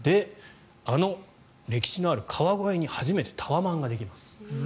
あの歴史のある川越に初めてタワマンができます。